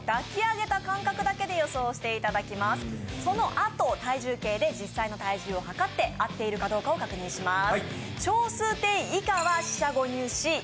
そのあと、体重計で実際の体重を測って合っているかどうかを確認します。